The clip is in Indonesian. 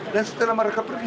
dan setelah mereka pergi